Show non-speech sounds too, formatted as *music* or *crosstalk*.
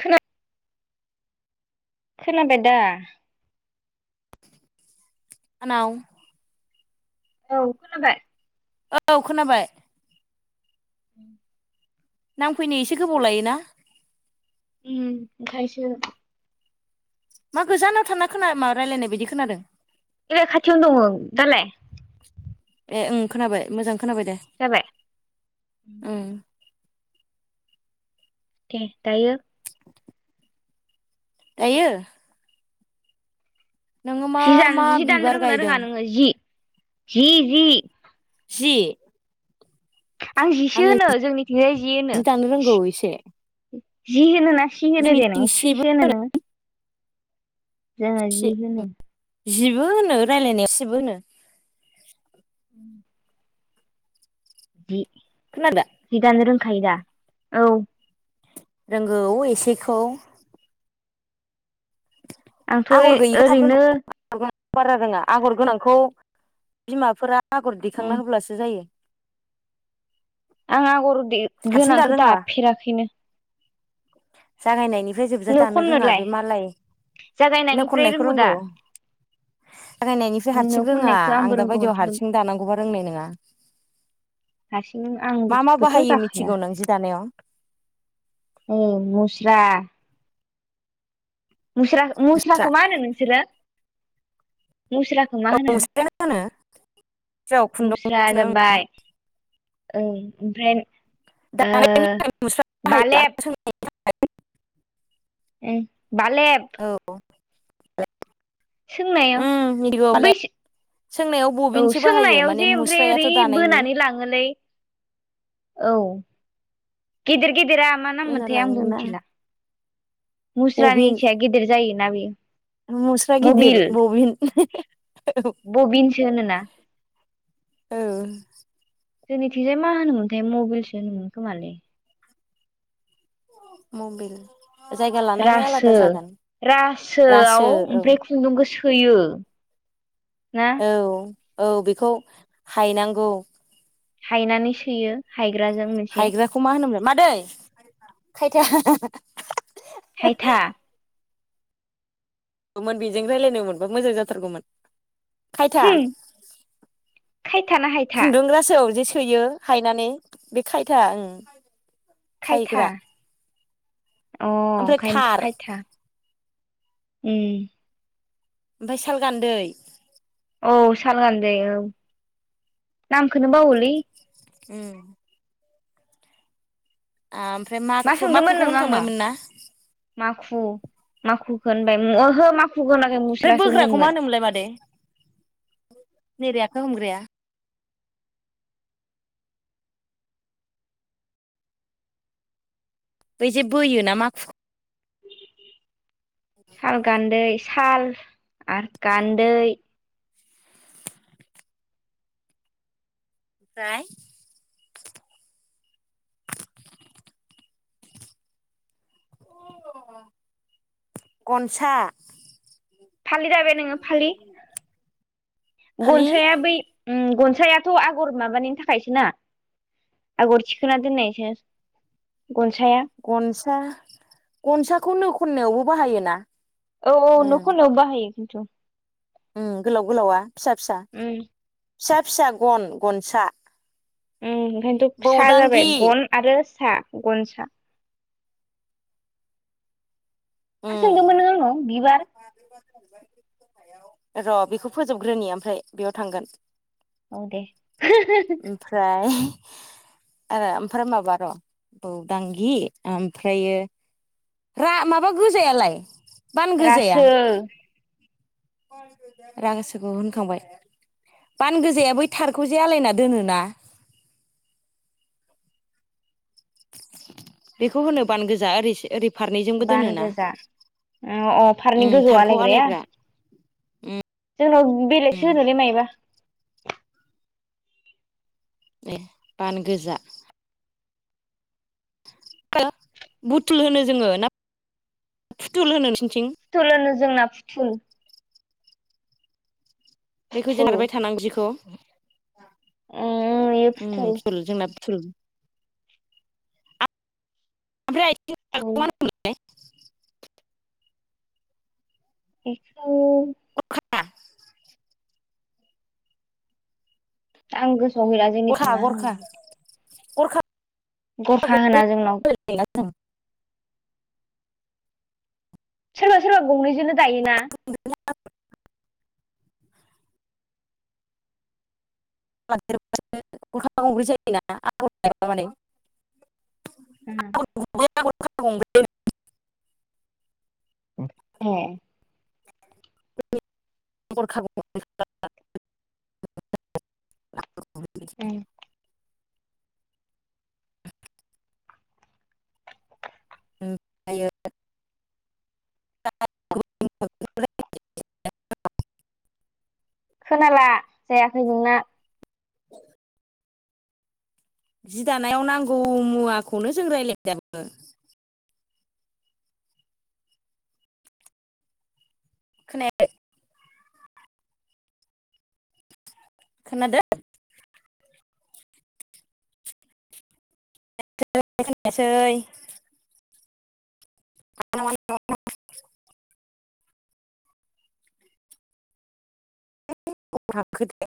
खोना खोनाबायदा आनाव औ खोनाबाय औ खोनाबाय नांफैनो इसे गोबाव लायोना उम ओंखायसो। मा गोजानाव थाना खोना मा रायज्लायनाय बायदि खोनादों। एलाय खाथियावनो दङ दालाय। ए ओं खोनाबाय मोजां खोनाबाय दे जाबाय ओं। दायो‌। *inaudible* दायो। नोङो मा जि दानो मा जि दानो बिबार रोंगोन ना गायदों रोङा नोङो जि जि जि। जि। आं जिसो आङो होनो जोंनिथिंजाय जि होनो दानो रोंगौ एसे जि होनोना। सि होनो दे जोंनिथिं नोङो सि सिबो सिसो होनो नोङो। जोङो जि होनो। जिबो होनो रायज्लायनायाव सिबो होनो। उम जि खोनादों। जि दानो रोंखायो दा औ। रोंगौ एसेखौ। आंथ' आगर गैयिखौ थाब रोंगौ। ओरैनो आगर गोनां बारा रोङा आगर गोनांखौ बिमाफोरा आगर उम दैखांना होब्लासो जायो। आं आगर हारसिं दानो गोनांखौ रोङा दाफेराखैनो। जागायनायनिफ्राय जोबजा नो दानो रोङा खननोलाय बे मालाय नो जागायनायनिफ्राय खननायखौ दा रोंगौ जागायनायनिफ्राय हारसिं नो रोआ खननायखौ आंबो आं दा बायदियाव रोंगौमोन खिन्थु हारसिं दानांगौबा रोंनाय नङा। हारसिं मा मा आंबोथ' बाहायो जाखाया। मिथिगौ नों जि दानायाव। औ मुस्रा। मुस्रा मुस्रा मुस्राखौ मा होनो नोंसोरो मुस्रा मा औ होनो मुस्रायानो होनो जेराव खुन्दुं मुस्रा थुनो जाबाय। ओं ओमफ्राय ओ दानायनि थाखाय मुस्रा बाहायो बालेब। *unintelligible* उम बालेब। औ औ सोंनायाव ओं बै बालेब सोंनायाव औ बबिनसो बाहायो सोंनायाव माने जे ओमफ्राय ओरै मुस्रायाथ' दानायनि बोनानै लाङो। ङोलै औ गेदिर गेदिरा। मा बोना नाममोनथाय आंबो लाङोना मिथिला मुस्रानि बबिन साया गेदिर जायोना बेयो। मुस्रा गिदिर मबिल बबिन। बबिनसो होनोना। औ जोंनिथिंजाय मा होनोमोनथाय मबाइलसो होनोमोनखोमालै। मबिल। जायगा लानानै रासो आलादा जागोन रासोआव रासो औ ओमफ्राय। खुन्दुंखौ सोयो ना। औ औ बेखौ हायनांगौ। हायनानै सोयो हायग्राजों। मोनसे हायग्राखौ मा होनोमलाय मादै खायथा। हाइथा। मोन बेजों रायज्लायनो मोनबा मोजां जाथारगौमोन। खायथा होम खायथा ना हायथा खुन्दुं रासोआव जे सोयो। हायनानै बे खायथा ओं। खायथा खायग्रा अ ओमफ्राय ओंखायनोथ' थार खायथा। उम। आमफाय सालगान्दै। औ साल गानदै औ नामखौनो बावोलै। उम। आमफ्राय मा माखु सोंदोंमोन माखुखौ नों आंनाव होनखांबायमोन ना? माखु माखुखौ होनबाय उम ओहो माख *unintelligible* बै बोग्राखौ मा होनोमोनलाय मादै नैबे आखाय हमग्राया? बै जे बोयोना माखु साल गान्दै साल आरो गान्दै आमफ्राय गनसा फालि दाबाय नोङो फालि फालि गनसाया बै उम गनसायाथ' आगर माबानि थाखायसो ना। आगर थिखोना दोननायसो गनसाया। गनसा गनसाखौ नो खननायावबो बाहायोना। औ औ उम नो खननायावबो बाहायो खिन्थु। उम गोलाव गोलावा फिसा फिसा उम फिसा फिसा गन गनसा। उम ओंखायनथ' फिसा जाबाय बौदांगि गन आरो सा गनसा। मा उम सोंदोंमोन नों आंनाव बिबार। र' बेखौ फोजोबग्रोनि आमफ्राय बेयाव थांगोन। औ दे। फ्राय आरो आमफ्राय माबा र' बौदांगि आमफ्रायो रा माबा गोजायालाय। बान रासो। रांसोखौ होनखांबाय बान गोजाया बै तारखौ जे आलायना दोनोना बेखौ होनो बान गोजा ओरैसो ओरै ‌ फारनैजोंबो बान दोनोना गोजा अ अ फारनै उम गोजौ थारखौ आलायग्राया आलायग्रा। जोंनाव बेलेगसो होनोलै मायबा। ए बान गोजा। बुथुल होनो जोङो ना फुथुल होनो नोंसोरनिथिं? फुथुल होनो जोंना फुथुल। बेखौ जे फुथुल नारबाय थानांगौ जिखौ। उम इयो उम फुथुल जोंना फुथुल। आमफ्राय फुथुल *unintelligible* बेखौ *unintelligible* आं गोसोआवनो गैला जोंनिथिं गरखा मा होनोमोन। गरखा गरखा होना जोंनाव‌। *unintelligible* सोरबा सोरबा गंनैजोंनो दायोना। *unintelligible* *unintelligible* गरखा गंब्रै जायोना आगर एबा मादै? *unintelligible* *inaudible* *unintelligible* *unintelligible* उम ओमफ्रायो *unintelligible* खोनाला जायाखै नोंना जि दानायाव नांगौ मुवाखौनो जों रायज्लायबाय दाबो *unintelligible* खोनयाखौ खोनादों *unintelligible* *unintelligible* *unintelligible*